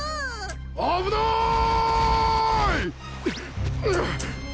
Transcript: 危ない！